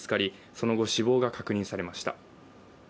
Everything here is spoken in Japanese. その後死亡が確認されました。